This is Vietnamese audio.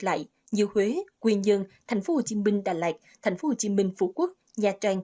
lại như huế quyền dương thành phố hồ chí minh đà lạt thành phố hồ chí minh phú quốc nha trang